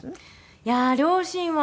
いやあ両親は。